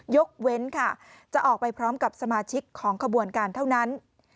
ยกเว้นค่ะจะออกไปพร้อมกับสมาชิกของขบวนการเท่านั้น